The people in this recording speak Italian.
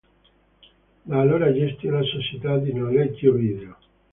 Da allora gestì una società di noleggio video.